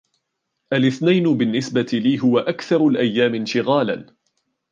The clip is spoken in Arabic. الاثنين -بالنسبة لي- هو أكثر الأيام انشغالًا.